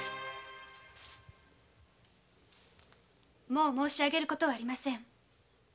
もう申し上げる事はありません。